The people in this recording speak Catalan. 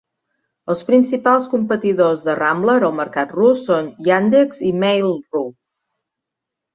Els principals competidors de Rambler al mercat rus són Yandex i Mail.ru.